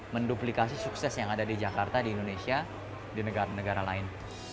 menduplikasi sukses yang ada di jakarta di indonesia di negara negara lain